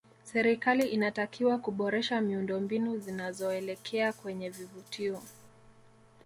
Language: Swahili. serikali inatakiwa kuboresha miundo mbinu zinazoelekea kwenye vivutio